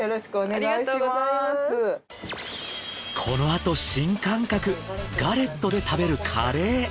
このあと新感覚ガレットで食べるカレー。